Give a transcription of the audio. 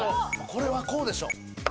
これはこうでしょう。